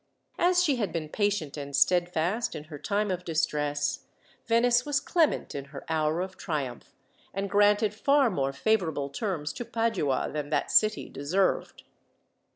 As she had been patient and steadfast in her time of distress, Venice was clement in her hour of triumph, and granted far more favourable terms to Padua than that city deserved.